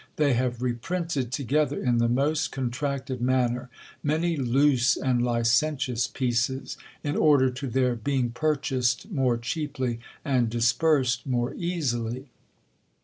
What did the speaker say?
They have reprinted together in the most contracted manner, many loose and licentious pieces, in order to their being purchased more cheaply, and dispersed more easily."